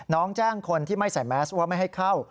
แจ้งคนที่ไม่ใส่แมสว่าไม่ให้เข้า